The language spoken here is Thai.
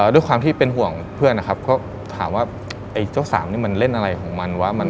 ด้วยความที่เป็นห่วงเพื่อนนะครับก็ถามว่าไอ้เจ้าสามนี่มันเล่นอะไรของมันวะ